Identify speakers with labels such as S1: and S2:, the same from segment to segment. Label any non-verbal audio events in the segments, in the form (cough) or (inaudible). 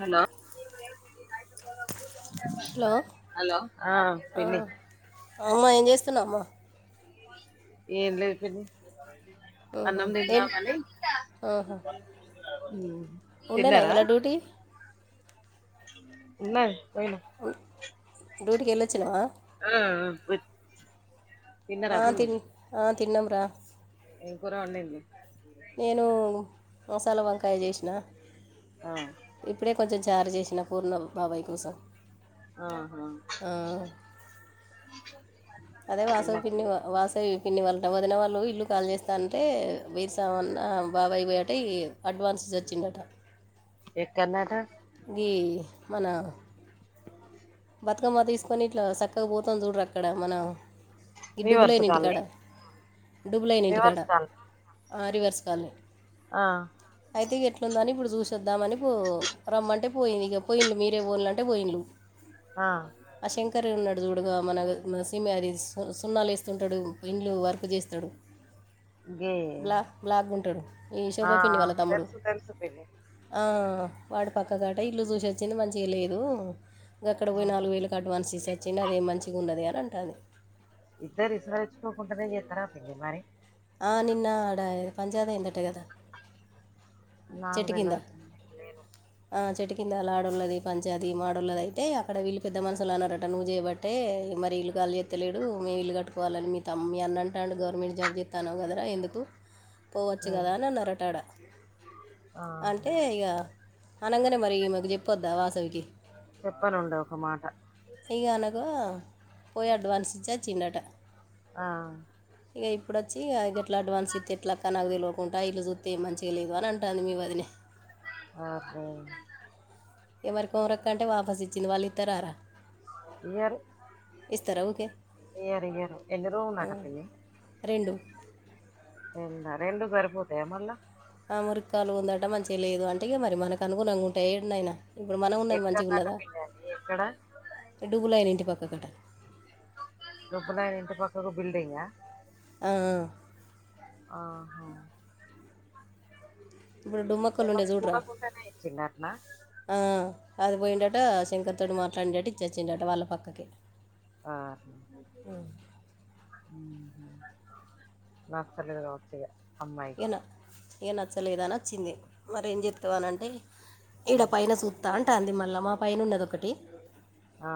S1: Hello.
S2: Hello
S1: hello ఆహ్
S2: ఆ,
S1: పిన్ని.
S2: అమ్మా ఏం చేస్తున్నావు అమ్మా
S1: ఏం లేదు పిన్ని.
S2: ఊహు.
S1: అన్నం
S2: ఏం
S1: తిందామని.
S2: ఆహా.
S1: ఉమ్
S2: ఉండేనా
S1: తిన్నారా.
S2: ఇలా డ్యూటీ
S1: ఉన్నాయి.
S2: ఉన్ డూటికి ఎల్లోచ్చిన్నావ.
S1: పి.
S2: ఆహ్ తిన్ ఆహ్ తిన్నాంరా.
S1: ఏం కూర వండింది.
S2: నేను మసాలా వంకాయ చేసినా.
S1: ఆ
S2: ఇప్పుడే కొంచెం చారు చేసిన పూర్ణం బాబాయ్ కోసం.
S1: ఆహా.
S2: ఆ, అదే వాసవి
S1: తిన్నారా
S2: పిన్ని వా వాసవి పిన్ని వాళ్ళు. అంట వదిన వాళ్ళు ఇల్లు ఖాళీ చేస్తాంటే వేరుసమన్న బాబాయ్ పోయటవి అడ్వాన్స్స్ ఇచ్చిండు. గట.
S1: ఎక్కడనంట.
S2: గీ మన. బతుకమ్మ తీసుకొని ఇట్లా చక్కగా పోతం చూడు అక్కడ మనం. ఈ
S1: వీవర్స్
S2: డుబ్బులయిన ఇంటికాడ
S1: కాలనీ
S2: డుబ్బులయిన ఇంటికాడ.
S1: వీవర్స్
S2: ఆహ్ రివర్స్ కాలనీ.
S1: ఆహ్.
S2: అయితే ఎట్లుంద అని ఇప్పుడు చూస వద్దామని పో రమ్మంటే పోయింది ఇగ పోయింలు మీరే పోనల అంటే పోయింలు
S1: ఆ
S2: ఆ శంకర్ ఉన్నా అ చూడగా మన మన సమి అది సున్నాలు వేస్తుంటాడు ఇండ్లు వర్క్ చేస్తడు
S1: గే
S2: బ్లాక్ బ్లాక్ ఉంటడు ఈ
S1: ఆ
S2: శోభ పిన్ని వాళ్ళ తమ్ముడు
S1: తెలుసు తెలుసు పిన్ని
S2: ఆ వాడి పక్క గట ఇల్లు చూసి వచ్చింది మంచిగా లేదు అక్కడ పోయి నాలుగు వేలకి అడ్వాన్స్ ఇస్ చర్చిన్ అదే మంచిగ ఉండదు అని అంటంది
S1: ఇద్దరు ఇసువ తెచ్చుకోకుండానే చేస్తరా పనీ మరి
S2: ఆ నిన్న ఆడ పంచాయతీ ఏందట కదా
S1: నాకు
S2: చెట్టు కింద
S1: తెలవదు పిన్ని నేను
S2: ఆ చేట్ కింద అలా ఆడళ్ళది పంచది మాడళ్ళది అయితే అక్కడ వీళ్ళు పెద్ద మనుషులు అన్నారట నువ్వు చేయబట్టే మరిళ్ళ కాలి చెత్తలేడు మేము ఇల్లు కట్టుకోవాలని మీ త మీ అన్నంటే అంటడి గవర్నమెంట్ జాబ్ చెత్తన్నావు కదారా ఎందుకు పోవచ్చు
S1: లేను
S2: కదా అని ఆన్నరట ఆడ అంటే
S1: ఆహా
S2: ఇగా అనగానే మరి ఈమెకి చెప్పొద్దా వాసవికి
S1: చెప్పనుండే ఒక మాట
S2: ఇగ అలాగ పోయి అడ్వాన్స్ ఇచ్ వొచ్చిన్నట
S1: ఆ
S2: ఇక ఇప్పుడు వచ్చి ఇక ఎట్లా అడ్వాన్స్ ఇస్తతే ఎట్లా కనకు తెలివకుండా ఇల్లు చూస్తే ఏ మంచిగా లేదు అని అంటాంది మీ వదినే
S1: ఆ హ
S2: ఎవరి కోమరక్క అంటే వాపస్ ఇచ్చింది వాళ్ళు ఇస్తారారా
S1: ఇయరు
S2: ఓకే
S1: ఇయరు ఇయరు ఎన్ని రూములు ఆట పిన్ని
S2: రెండు
S1: రెండ రెండు సరిపోతాయా మల్ల
S2: ఆ మురికాలు ఉందట మంచిగా లేదు అంటగాే మరి మనకు అనుకున్నంగా ఉంటా ఏడుైనా ఇప్పుడు మనం ఉన్నది మంచిగా
S1: ఎక్కడనట
S2: ఉన్నదా
S1: పిన్ని అది ఎక్కడ
S2: డుబ్బులు అయిన ఇంటి పక్క గట్ట
S1: దుబ్బులైన ఇంటి పక్కకు బిల్డింగ ఆహా
S2: ఇప్పుడు డుమ్మక్కలు ఉండే
S1: ఏమన్నా
S2: చూడరా
S1: చూడకుండానే ఇచ్చిండు అట్నా
S2: ఆ అది పోయిండ అ శంకర్తోోడు మాట్లాడిేటట్టు ఇచ్చచ్చింటట వాళ్ళ పక్కకి
S1: ఆహా నా కర్లేదద వచ్చిగా
S2: ఏనా ఏ నచ్చలేదా నచ్చింది మర ఏం చెప్తవానంటే ఈక్కడ
S1: ఉమ్.
S2: పైన సూత్తా అంటా అంది మళ్ళా మా పైన ఉన్నద ఒకటి
S1: ఆ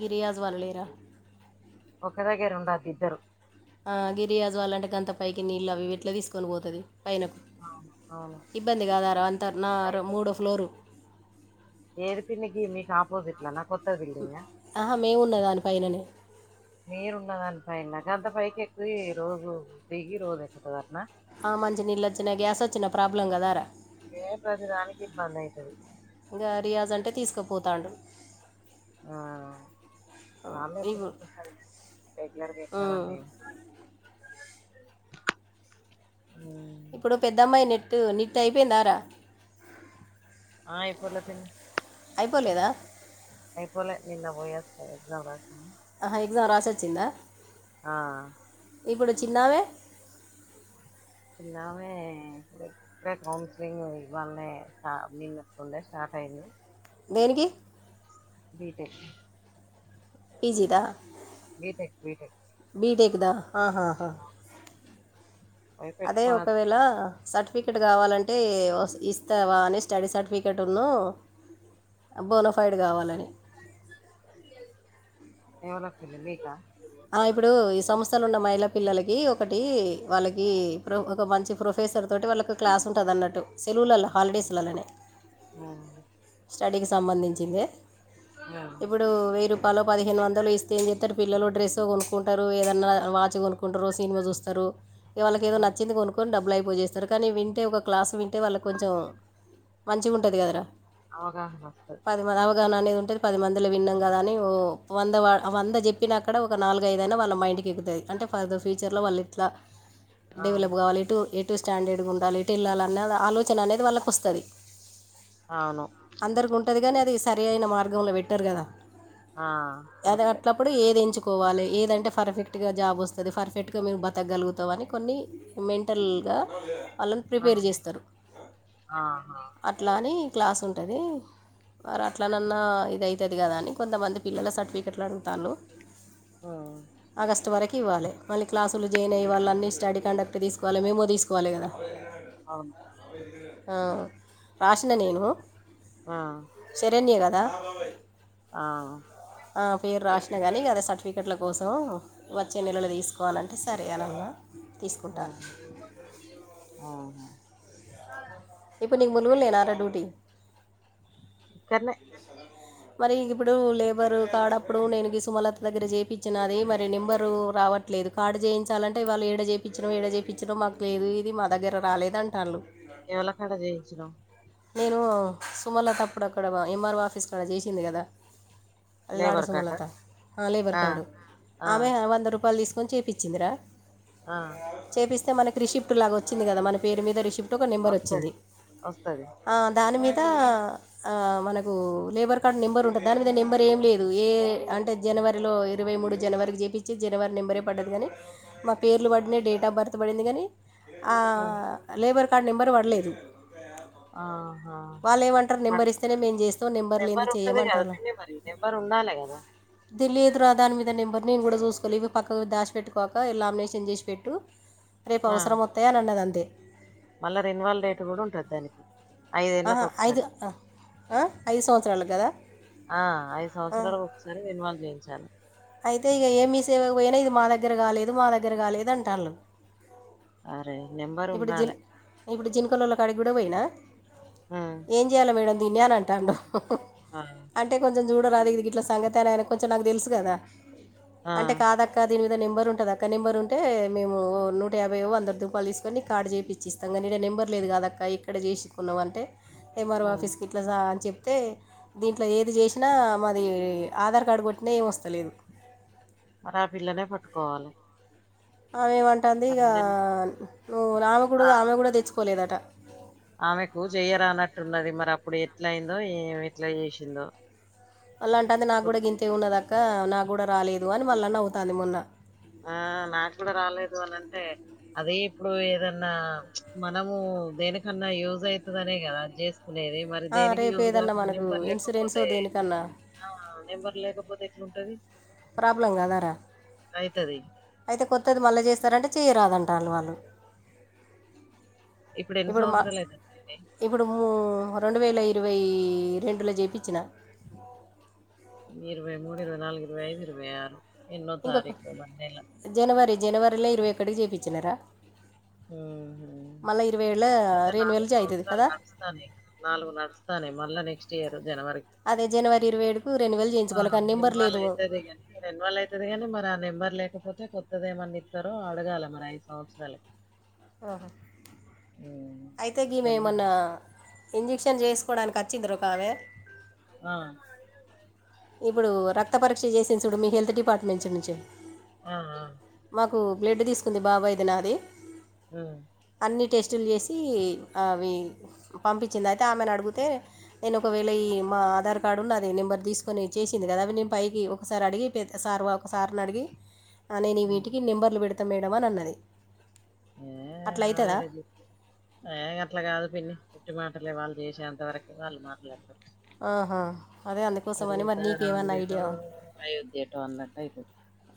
S2: గిరియాజ్ వాల్లేరా
S1: ఒక దగ్గర ఉండదిిద్దరు
S2: ఆ గిరియాజ్ అళంటే కొంత పైకి నీళ్ళలు అవి ఇట్లా తీసుకొని పోతుంది పైనకు
S1: అవును అవును.
S2: ఇబ్బంది కాదార అంత నా
S1: అయితే
S2: మూడో ఫ్లోరు
S1: ఏది పికి మీకు ఆపోసిట్లా నా కొత బిల్డింగ్
S2: ఆహా మేమున్న దానిపైననే
S1: మీరున్న దానిపై గంత పైకి ఎక్కు రోజు దిగి రోజు ఎక్కుతుంది అన్న
S2: మంచి నీళ్ళు వచ్చినా గ్యాస్ వచ్చినా ప్రాబ్లం కదాారా
S1: ఏ ప్రతిదానికి ఇబ్బంది అయితది.
S2: ఇంకా రియాజ్ అంటే తీసుకుపోతాడు
S1: ఆ
S2: (inaudible)
S1: వాళ్ళు ఎప్పుడు
S2: ఇప్పుడు
S1: ఉంట సరిగానీ రెగ్యులర్గా ఇాలంట ఏ మ్
S2: ఇప్పుడు పెద్దమ్మాయి నెట్టు నిట్ అయిపోయిందార?
S1: ఆయిపోలే పిన్ని
S2: అయిపోలేదా?
S1: అయిపోలే నిన్న పోయీ వచ్చిన ఎగ్జామ్ రాసి
S2: ఆహ ఎగ్జమ్ రాసొచ్చిందా?
S1: ఆ
S2: ఇప్పుడు చిన్నామే
S1: నామె ఇప్పుడే కౌన్సిలింగ్ ఇవాళ స నిన్నట్టుండే స్టార్ట్ అయింది.
S2: దేనికి?
S1: బీటెక్
S2: పిజీదా?
S1: బీటెక్ బిటెక్
S2: బీటెక్దా ఆహాహా
S1: పోయి
S2: అదే
S1: పెట్టుకొని వచ్చినం.
S2: ఒకవేళ సర్టిఫికెట్ కావాలంటే ఇస్తావా అని స్టడీ సర్టిఫికేట్ ఉన్ను బోనోఫైడ్ గావాలని
S1: ఎవలకు పిన్ని మీకా
S2: ఆ ఇప్పుడు ఈ సంస్థలు ఉన్న మహిళ పిల్లలకి ఒకటి వాళ్ళకి ప్ర ఒక మంచి ప్రొఫె సర్ తోటి వాళ్ళ క్లా ఉంటది అన్నట్టు తెలుగులలో హాలిడేస్లలోనే
S1: మ్
S2: స్టడీకి సంబంధించిందే
S1: మ్
S2: ఇప్పుడు వెయ్యి రూపాయలు, పదిహేను వందలు ఇస్తే ఏం చెత్తారు పిల్లలు డ్రెస్ తో కొనుకుంటారు ఏదన్నా వాచ్ కొనుక్కుంటరు. సినిమా చూస్తారు ఈ వాళ్లకి ఏదో
S1: మ్
S2: నచ్చింది కొనుక్కొని డబ్బులు అ పోజిస్తారు కానీ వింటే ఒక క్లాసు వింటే వాళ్ళకి కొంచెం మంచిగా ఉంటది కదరా.
S1: అవగాహన వస్తది.
S2: గనానేది ఉంటది పది మందిలు విన్నాం కదా అని ఓ వంద వంద చెప్పినా అక్కడ ఒక నాలుగు, ఐదయినా వాళ్ళ మైండ్కి ఎక్కుతాది. అంటే ఫర్ ద ఫ్యూచర్లో వాళ్ళు ఇట్లా
S1: అవును
S2: డెవలప్ కావాలి ఇటు ఇటు స్టాండర్డ్ గా ఉండాలి, ఎటు వెళ్లాలనేది ఆలోచన అనేది వాళ్ళకి వస్తది.
S1: అవును
S2: ఉంటది గానీ అది సరైన మార్గంలో పెట్టరు కదా
S1: ఆ
S2: అది
S1: కరెక్టే
S2: అట్ల అప్పుడు ఏది ఏంచు కోవాలి ఏదంటే పర్ఫెక్ట్గా జాబ్ వస్తది. పర్ఫెక్ట్గా మేము బతకగలుగుతాం అని కొన్ని మెంటల్ గా ఆళ్ళని
S1: ఆ
S2: ప్రిపేర్ చేస్తారు
S1: ఆహా
S2: అట్ల అని క్లాస్ ఉంటది వారు అట్లనన్నా ఇది అయితది కదా అని కొంతమంది పిల్లల సర్టిఫికెట్లు అడుగుతాళ్లు
S1: మ్
S2: ఆగస్టు వరకి ఇవ్వాలె మళ్ళీ క్లాసులు జాయిన్ అయ్యి వాళ్ళ అన్నీ స్టడీ కండక్ట్ తీసుకోవాలి. మేము తీసుకోవాలి కదా.
S1: అవును
S2: ఆ రాసిన నేను
S1: ఆ
S2: శరణ్య కదా
S1: ఆ
S2: ఆ పేరు రాసిన గాని అదే సర్టిఫికేట్ల కోసం వచ్చే నెలలో తీసుకోవాలంటే సరే అని అన్న
S1: ఆ అవునా
S2: ఇప్పు నీకు మునువల్లేనాట డ్యూటీ
S1: కనే
S2: మరి ఇంగ ఇప్పుడు లేబరు కాడప్పుడు నేనుగి సుమలత దగ్గర చేయిపిచ్చినాది మరి నెంబరు రావట్లే లేదు కాడు చేయించాలంటే వాళ్ళు ఎడ చేయిపిచ్చినావ్, ఎడ చేయిపిచ్చినావ్ మాకు లేదు. ఇది మా దగ్గర రాలేద అంటాళ్లు.
S1: ఎవల కాడ జయించినావ్?
S2: నేను సుమలత అప్పుడు అక్కడ ఎంఆర్ఓ ఆఫీస్కి అడ చేసింది కదా ఎల్లాడ
S1: లేబర్ కాడ
S2: సుమలత ఆ లేబర్ కార్డు
S1: ఆ
S2: ఆమె వంద రూపాయలు తీస్ ఫోన్ చెపించిందిరా
S1: ఆ
S2: పిస్తే మనకిి రిసిప్ట్ లాగ వచ్చింది కద మన పేరు మీద రిసిప్ట్ ఒక నెంబర్
S1: వస్తది
S2: వచ్చింది
S1: వస్తది
S2: ఆ, దాని మీద ఆ మనకు లేబర్ కార్డ్ నెంబర్ ఉంటది దాని మీద నెంబర్ ఏం లేదు ఏ అంటే జనవరిలో ఇరవై మూడు జనవరికి చెప్పిచ్చి జనవరి నెంబరే పడ్డది కానీ మా పేర్లు పడిన డేట్ ఆఫ్ బర్త్ పడింది కాని ఆ లేబర్ కార్డ్ నెంబర్ పడలేదు వాళ్ళు ఏమంటారు నెంబర్ ఇస్తేనే మేము చేస్తాం నెంబర్ లేనిది
S1: నెంబారు ఉంటది కదా
S2: చేయమంటారు
S1: నెంబర్ ఉండా ద
S2: తెలీదు రా దాని మీద నెంబర్ నేను కూడా చూసుకోలివి ఇవి పక్కక్ దాష్ పెట్టుకోక్క లామినేషన్ చేసి పెట్టు రేపు
S1: ఆ
S2: అవసరం వత్తాయ్ అని అన్నదంతే
S1: మళ్ళా రిన్వాల్ రేట్ కూడా ఉంటది దానికి ఐదేళ్ళకి
S2: ఆహా ఐదు
S1: ఒకసారి
S2: ఆ ఐదు సంవత్సరాలు కదా
S1: ఆ ఐదు
S2: ఆ,
S1: సంవత్సరలుకు ఒకసారి రెన్వాల్ చేయించాలి
S2: అయితే ఇగ ఏమిసేవకి పోయినా ఇది మా దగ్గర కాలేదు మా దగ్గర కాలేదు అంటాళ్ళు
S1: అరే నెంబర్
S2: ఇప్పుడు జి
S1: ఉండాలే
S2: ఇప్పుడు జింకలలోడ కాడ గుడ పోయినా
S1: ఆ
S2: ఏం చేయాలి మేడం దిన్ని అని అంటాంళ్లు
S1: ఆ
S2: అంటే కొంచం చూడరాదు ఇది గిట్ల సంగతే అని ఆయన కొంచెం నాకు తెలుసు కదా
S1: ఆ
S2: అంటే కాదక్క దీన్ మీద నెంబర్ ఉంటదక్క నెంబర్ ఉంటే మేము నూట యాభై వందంద దూపాలు తీసుకొని కార్డ్ చెప్పిచ్చి ఇస్తాం కా నెంబర్ లేదు కాదక్క ఇక్కడ చేసుకున్నాం అంటే ఎంఆర్ఓ
S1: హ్మ్.
S2: ఆఫీస్ కి ఇట్లా అని చెప్ అయితే దీంట్లో ఏది చేసినా మాది ఆధార్ కార్డ్ కొట్టినా ఏం వస్తలేదు
S1: మరి ఆ పిల్లనే పట్టుకోవాలి
S2: ఆమె ఏమంటంది
S1: మరి
S2: ఇగా
S1: నెం
S2: నువ్వు ఆమె కూడా
S1: ఆ
S2: ఆమె కూడా తెచ్చుకోలేదట
S1: ఆమెకు జయరానట్టున్నది మరి అప్పుడు ఎట్లయిందో ఏ ఎట్లా చేసిందో
S2: అళ్లాంటది నాకు కూడా గింతే ఉన్నదాక్క నాకు కూడా రాలేదు అని మళ్ళ నవ్వుతాంది మొన్న
S1: ఆ నాకు కూడా రాలేదు అనంటే అదే ఇప్పుడు ఏదన్నా మనము దేనికన్నా యూజయితదనే కదా చే నేది మరి
S2: "ఆ,
S1: దేనికి
S2: రేపు
S1: యూజ్
S2: ఏదన్నా
S1: కాకుండా
S2: మనకు
S1: నెంబర్
S2: ఇన్సూరెన్సో
S1: లేకపోతే
S2: దేనికన్నా
S1: ఆ నెంబర్ లేకపో తే ఎట్లుంటది
S2: ప్రాబ్లం కాదారా
S1: అయితది
S2: అయితే కొత్తది మళ్ళజేస్తరంటే చేయరాదన్ ట్టాలు వాలు
S1: ఇప్పుడు ఎన్ని
S2: ఇపుడు మ
S1: సంవత్సరాలు అయితది పిన్ని
S2: ఇప్పుడు మూ రెండవేళయి ఇరవేయ్ రెండుల జేపిచ్చిన
S1: ఇరవై మూడు ఇరవై నాలుగు ఇరవై ఐదు ఇరవై ఆరు ఎన్నో
S2: ఇంకొక
S1: తారీఖు మన నెల
S2: జనవరి జనవరిలో ఇరవై ఒక్కడికి జేపిచ్చినరా
S1: ఊ
S2: ఏళ్ళ
S1: అయితే
S2: రెండు
S1: నాలుగు
S2: వేలు అవుతుంది
S1: సంవత్సరాలు
S2: కదా
S1: నడుస్తానై నాలుగు నడుస్తానై మళ్ళా నెక్స్ట్ ఇయర్ జనవరి
S2: అదే జనవరి ఇరవై ఏడుకు రెన్యువల్
S1: ఆ
S2: చేయించుకోవాలి కానీ నెంబర్ లేదు
S1: రెనువ్వాల్లయితది ని రెన్యూవలైతది గని మరి ఆ నెంబర్ లే కపోతే కొత్తది ఏమన్నిత్తరో అడగాల మరైదు సంవత్సరాల
S2: ఆహ
S1: హ్మ్.
S2: అయితే
S1: తెల్వది.
S2: గీమెమోన్నా ఇంజక్షన్ చేసుకోవడానికి అచ్చిందిరొకామే
S1: ఆ
S2: ఇప్పుడు రక్త పరీక్ష చేసిన్సూడు మీ హెల్త్ డిపార్ట్మెంచునుంచి
S1: ఆ ఆ
S2: కు బ్లడ్ తీసుకుంది బాబాయిది నాది
S1: మ్
S2: న్ని టెస్టులు చేసి ఆవి పంపిచ్చింది అయితే ఆమెనడిగితే నేను ఒకవేళ యీ మా ఆధార్కార్డు నాది నెంబర్ తీస్ కొన్ని చేసింది కదా అవి నేను పైకి ఒకసారి అడిగి పె సార్ ఒకసార్నడిగి అని నే
S1: హ్మ్.
S2: వీటికి నెంబర్లు పెడత మేడమనన్నది
S1: ఏ అమేడ జెప్ ఏ గట్లా గాదు పిన్ని వుట్టి మాటలే వాళ్ళు చేసేంతవరకె వాళ్ళు మాటలు
S2: (inaudible) ఆహా అదే అందుకోసమని
S1: తరువాత
S2: మరి నీకేమన్న
S1: రాముడేటో,
S2: ఐడియా
S1: అయోధ్యేటో అన్నట్టయితది.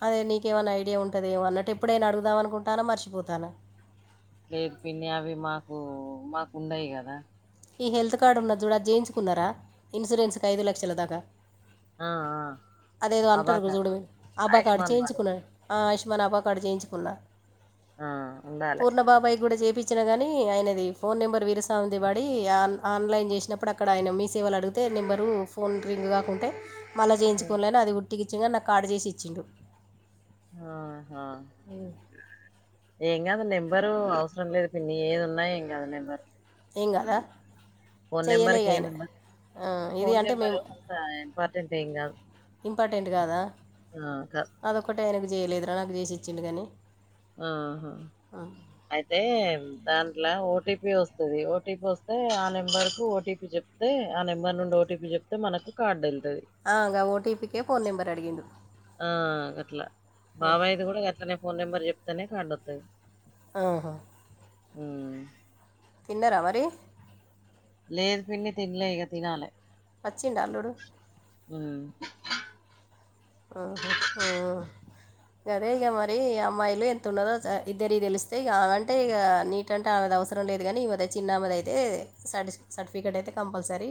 S2: అదే నీకేమన్న ఐడియా ఉంటదేమో అన్నట్టు ఎప్పుడైనా అడుగుదామనుకుంటాన మర్శిపోతానా
S1: లేదు పిన్ని అవి మాకు మాకు ఉండయ్ గదా
S2: ఈ హెల్త్ కార్డ్ ఉన్న చూడ జేయించుకున్నరా ఇన్సూరెన్స్కిఐదు లక్షల దాకా
S1: ఆ! ఆ!
S2: అదేదో అంటరు గు
S1: అబాకాస్,
S2: చూడు ఆబ్బాకాడు
S1: ఆయుష్మాన్ భారత్.
S2: చేయించుకున్నా ఆ ఇష్ మన అబా కార్డ్ జేయించుకున్నా
S1: ఆ! ఉండాలె.
S2: పూర్ణబాబాయిగూడ జేపిచ్ చ్చినాగాని ఆయనది ఫోన్ నెంబర్ వీరసామిది వాడ్ డి ఆన్ ఆన్లైన్ జేసినప్పుడు అక్కడ ఆయన మీ సేవలడిగితే నెంబరు ఫోన్ రింగ్ గాకుంటే మళ్ళా
S1: హ్మ్.
S2: జేయించుకోనులేనది ఉట్టికిచ్చ కానీ నాకార్డ్ జేసి ఇచ్చిండు
S1: ఆహా ఏంగాదు నెంబరు అవసరం లేదు పిన్నీ ఏదున్న ఏంగాదు నెంబర్
S2: ఏంగాదా
S1: ఫోనంబర్ కేముండద్
S2: ఇది అంటే
S1: ఫోనంబర్
S2: మేము
S1: ఏం అంత ఇంపార్టెంటెంగాదు
S2: ఇంపార్టెంట్ గాదా
S1: కా-
S2: అదొక్కటే ఆయనకు చేయలేదురా నాకు జేసిచ్చిండు గానీ
S1: ఆహ అయితే దాన్ లా ఓటీపీ ఒస్తది ఓటీపీ ఒస్తే ఆ నెంబర్ కు ఓటీపీ చెప్తే ఆ నెంబర్ నుండి ఓటీపీ జెప్ జెప్తే మనకు కార్డెల్
S2: అ గా ఓటీపీకే ఫోన్ నెంబర్ అడిగిండు
S1: ఆ గట్లా
S2: ఆ,
S1: బాబాయిది గూడా గట్లనే ఫోన్ నెంబర్ చెప్తేనే కార్డత్తది
S2: ఆహా
S1: మ్
S2: న్నరామరి
S1: లేదు పిన్ని తినన్లే ఇగ తినాలె
S2: అచ్చిండా అల్లుడు
S1: మ్
S2: మ్ హ్మ్ మ్ అదే ఇక మరి అమ్మాయిలు ఎంత ఉన్నదో ఇద్దరి తెలిస్తే ఇక ఆమె అంటే ఇక నీట్ అంటే ఆమెద అవసరం లేదు గానీ ఈ మదే చిన్నామదయితే శాడిష్ సర్టిఫికేట్ అయితే కంపల్సరీ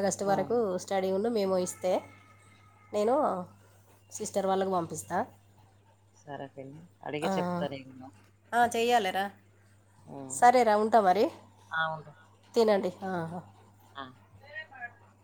S2: ఆగస్టు
S1: ఆ,
S2: వరకు స్టడీ ఉం మేము ఇస్తే నేను సిస్టర్ వాళ్ళకు పంపిస్తా
S1: సరే పిన్ని అడిగి
S2: ఆ
S1: చెప్తాను ఇంకా
S2: ఆ చెయ్యాలెరా
S1: ఆ,
S2: సరే రా ఉంటా మరి
S1: ఆ, ఉంటా
S2: తినండి ఆ
S1: ఆ